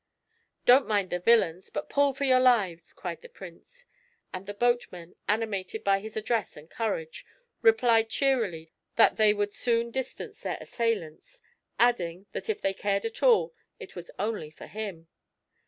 "Don't mind the villains, but pull for your lives," cried the Prince, and the boatmen, animated by his address and courage, replied cheerily that they would soon distance their assailants; adding, that if they cared at all, it was only for him.